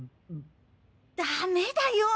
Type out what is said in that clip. ダメだよ！